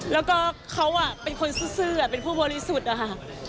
แล้วก็เขาเป็นคนซื่อเป็นผู้บริสุทธิ์อะค่ะ